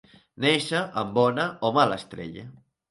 Néixer en bona o mala estrella.